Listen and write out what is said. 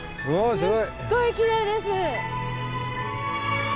すっごいきれいです。